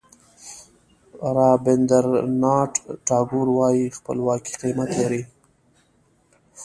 رابندراناټ ټاګور وایي خپلواکي قیمت لري.